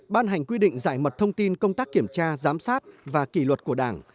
ban hành quy định giải mật thông tin công tác kiểm tra giám sát và kỷ luật của đảng